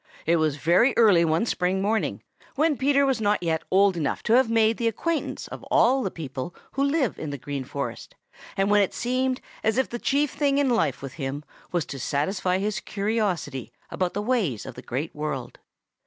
It was very early one spring morning, when Peter was not yet old enough to have made the acquaintance of all the people who live in the Green Forest, and when it seemed as if the chief thing in life with him was to satisfy his curiosity about the ways of the Great World.